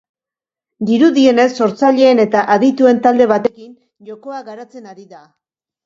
Dirudienez sortzaileen eta adituen talde batekin jokoa garatzen ari da.